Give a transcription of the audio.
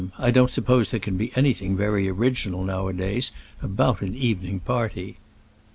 I don't suppose there can be anything very original now a days about an evening party."